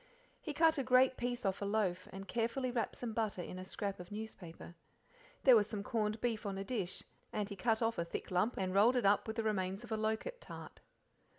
He cut a great piece off a loaf, and carefully wrapped some butter in a scrap of newspaper. There was some corned beef on a dish, and he cut off a thick lump and rolled it up with the remains of a loquat tart.